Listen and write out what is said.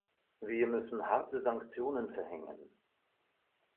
Wir müssen harte Sanktionen verhängen.